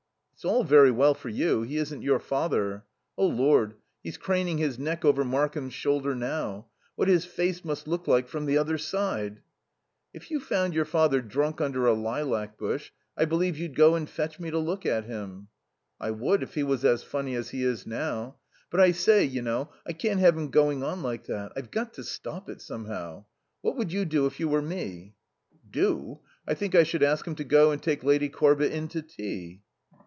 "It's all very well for you. He isn't your father.... Oh, Lord, he's craning his neck over Markham's shoulder now. What his face must look like from the other side " "If you found your father drunk under a lilac bush I believe you'd go and fetch me to look at him." "I would, if he was as funny as he is now.... But I say, you know, I can't have him going on like that. I've got to stop it, somehow. What would you do if you were me?" "Do? I think I should ask him to go and take Lady Corbett in to tea."